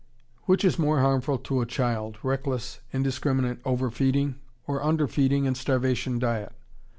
] Which is more harmful to a child, reckless, indiscriminate over feeding or under feeding and starvation diet?